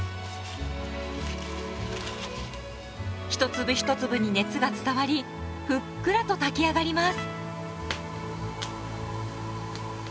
一粒一粒に熱が伝わりふっくらと炊き上がります。